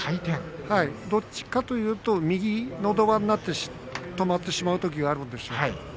どっちかというと右のど輪になってしまうときがあるんですよ。